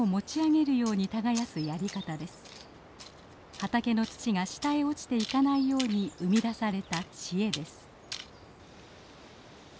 畑の土が下へ落ちていかないように生み出された知恵です。